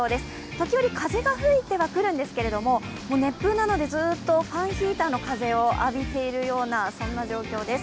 時折、風が吹いては来るんですけれども、熱風なのでずっとファンヒーターの風を浴びているような状況です。